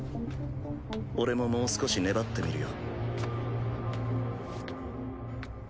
俺ももう少し粘ってみるよ。